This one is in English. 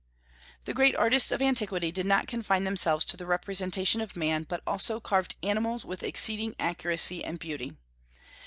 The great artists of antiquity did not confine themselves to the representation of man, but also carved animals with exceeding accuracy and beauty.